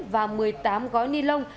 và một mươi tám gói ni lông